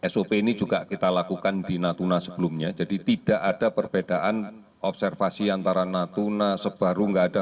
sop ini juga kita lakukan di natuna sebelumnya jadi tidak ada perbedaan observasi antara natuna sebaru nggak ada